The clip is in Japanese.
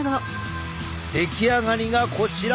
出来上がりがこちら。